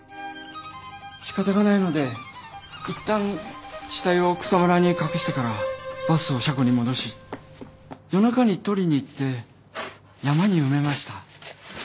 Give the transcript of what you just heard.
しかたがないのでいったん死体を草むらに隠してからバスを車庫に戻し夜中に取りに行って山に埋めました。